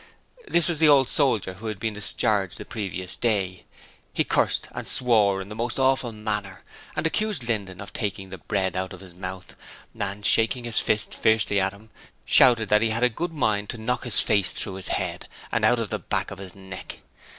'This was the old soldier who had been discharged the previous day. He cursed and swore in the most awful manner and accused Linden of 'taking the bread out of his mouth', and, shaking his fist fiercely at him, shouted that he had a good mind to knock his face through his head and out of the back of his neck.